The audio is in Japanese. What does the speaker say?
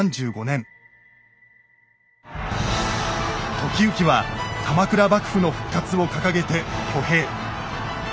時行は鎌倉幕府の復活を掲げて挙兵。